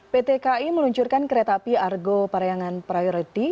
ptki meluncurkan kereta api argo parayangan priority